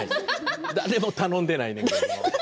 誰も頼んでないのに。